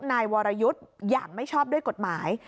นายวรยุทธ์อย่างไม่ชอบด้วยกฎหมาย